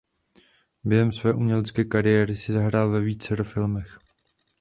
Během své umělecké kariéry si zahrál ve vícero filmech.